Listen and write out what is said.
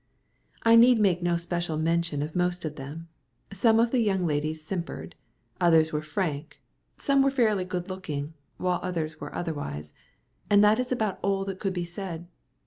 I need make no special mention of most of them. Some of the young ladies simpered, others were frank, some were fairly good looking, while others were otherwise, and that is about all that could be said.